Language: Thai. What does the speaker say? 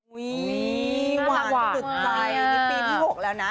หวานสุดใจนี่ปีที่๖แล้วนะ